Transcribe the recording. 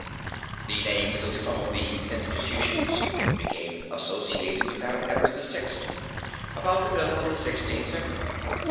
The names of some of these institutions became associated with that of Edward VI. about the middle of the Sixteenth Century.